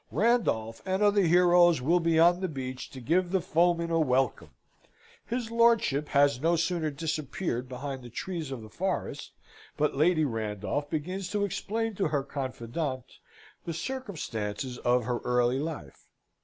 Randolph and other heroes will be on the beach to give the foemen a welcome! His lordship has no sooner disappeared behind the trees of the forest, but Lady Randolph begins to explain to her confidante the circumstances of her early life.